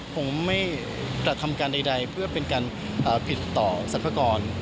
ผมไม่กระทำการใดเพื่อเป็นการผิดต่อสรรพากร